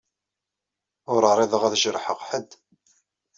Ur ɛriḍeɣ ad jerḥeɣ ḥedd.